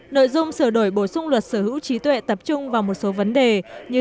nội dung sửa đổi bổ sung luật sở hữu trí tuệ tập trung vào một số vấn đề như